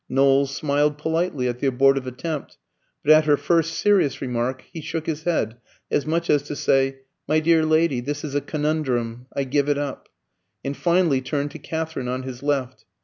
Knowles smiled politely at the abortive attempt; but at her first serious remark he shook his head, as much as to say, "My dear lady, this is a conundrum; I give it up," and finally turned to Katherine on his left.